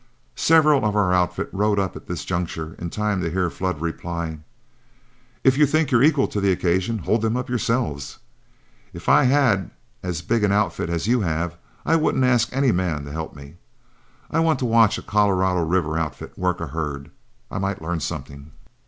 Several of our outfit rode up at this juncture in time to hear Flood's reply: "If you think you're equal to the occasion, hold them up yourself. If I had as big an outfit as you have, I wouldn't ask any man to help me. I want to watch a Colorado River outfit work a herd, I might learn something.